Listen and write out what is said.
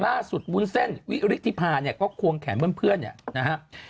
ล่าสุดวุ้นเส้นวิฤทธิภาพเนี่ยก็ควงแขนเมื่อเพื่อนเนี่ยนะฮะ